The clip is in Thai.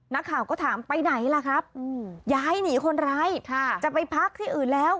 นักข่าวก็ถามไปไหนล่ะครับย้ายหนีคนร้ายจะไปพักที่อื่นแล้ว